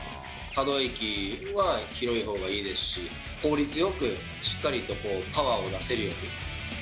可動域は広いほうがいいですし、効率よくしっかりとパワーを出せるように。